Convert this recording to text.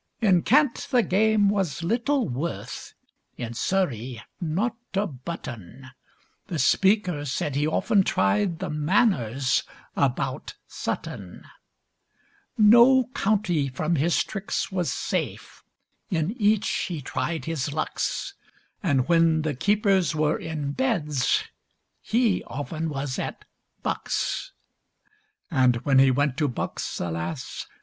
In Kent the game was little worth, In Surrey not a button; The Speaker said he often tried The Manors about Button. No county from his tricks was safe; In each he tried his lucks, And when the keepers were in Beds, He often was at Bucks. And when he went to Bucks, alas!